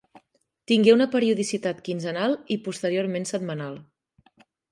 Tingué una periodicitat quinzenal i posteriorment setmanal.